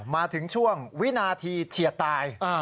มาถึงช่วงวินาทีเฉียดตาย